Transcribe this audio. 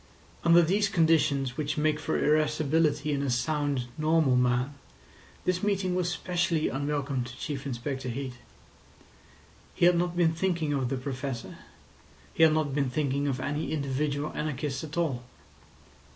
Under these conditions which make for irascibility in a sound, normal man, this meeting was specially unwelcome to Chief Inspector Heat. He had not been thinking of the Professor; he had not been thinking of any individual anarchist at all.